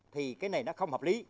thì cái này nó không hợp lý